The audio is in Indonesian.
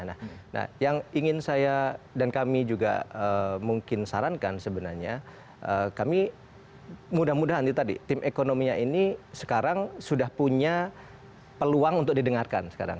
nah yang ingin saya dan kami juga mungkin sarankan sebenarnya kami mudah mudahan itu tadi tim ekonominya ini sekarang sudah punya peluang untuk didengarkan sekarang